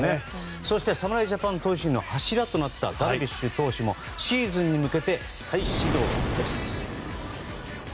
そして、侍ジャパン投手陣の柱となったダルビッシュ投手もシーズンに向けて最終調整です。